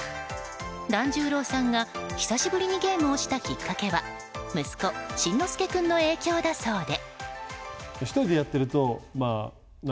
團十郎さんが久しぶりにゲームをしたきっかけは息子・新之助君の影響だそうで。